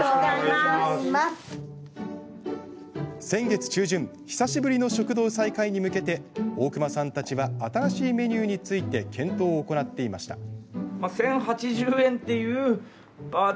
先月中旬久しぶりの食堂再開に向けて大熊さんたちは新しいメニューについて検討を行っていました。